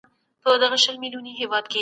د ضرر رسولو حق چا ته نسته.